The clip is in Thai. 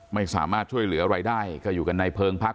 ไม่สามารถช่วยเหลืออะไรได้ก็อยู่กันในเพลิงพัก